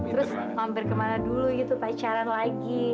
terus mampir kemana dulu gitu pacaran lagi